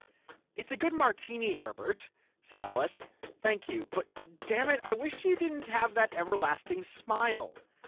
"It's a good martini, Herbert," said Alice. "Thank you. But, dammit, I wish you didn't have that everlasting smile!"